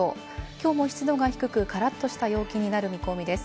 きょうも湿度が低く、からっとした陽気になる見込みです。